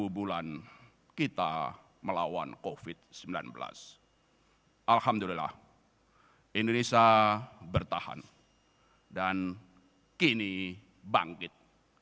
dua puluh bulan kita melawan covid sembilan belas alhamdulillah indonesia bertahan dan kini bangkit